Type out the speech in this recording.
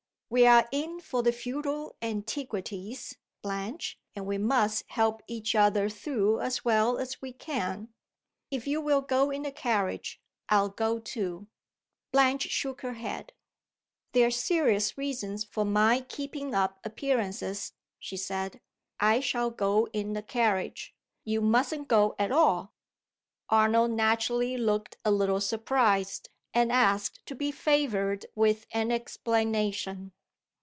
"We are in for the feudal antiquities, Blanche; and we must help each other through as well as we can. If you will go in the carriage, I'll go too." Blanche shook her head. "There are serious reasons for my keeping up appearances," she said. "I shall go in the carriage. You mustn't go at all." Arnold naturally looked a little surprised, and asked to be favored with an explanation.